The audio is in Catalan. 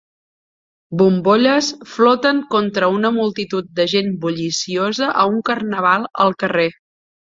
Bombolles floten contra una multitud de gent bulliciosa a un carnaval al carrer.